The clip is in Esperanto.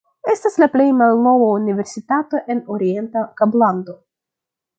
Estas la plej malnova universitato en Orienta Kablando.